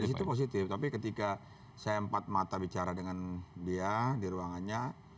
di situ positif tapi ketika saya empat mata bicara dengan dia di ruangannya